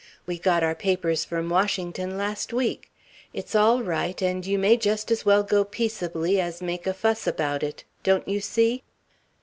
We got our papers from Washington last week. It's all right, and you may just as well go peaceably, as make a fuss about it. Don't you see?"